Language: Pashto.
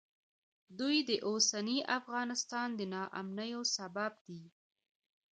دوی د اوسني افغانستان د ناامنیو سبب دي